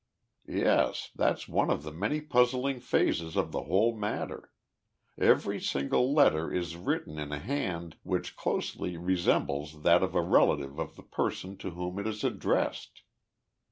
"Yes, that's one of the many puzzling phases of the whole matter. Every single letter is written in a hand which closely resembles that of a relative of the person to whom it is addressed!